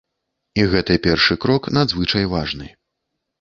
І гэты першы крок надзвычай важны.